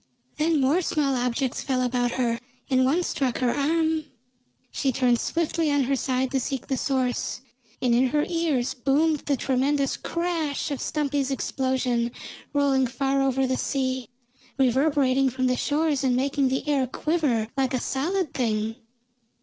Then more small objects fell about her, and one struck her arm. She turned swiftly on her side to seek the source, and in her ears boomed the tremendous crash of Stumpy's explosion, rolling far over the sea, reverberating from the shores and making the air quiver like a solid thing.